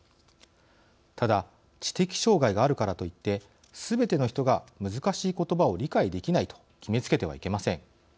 ただ知的障害があるからといってすべての人が難しい言葉を理解できないと決めつけてはいけません。